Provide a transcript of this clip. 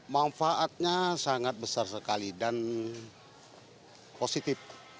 manfaatnya sangat besar sekali dan positif